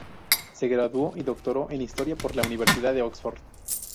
Se graduó y doctoró en Historia por la Universidad de Oxford.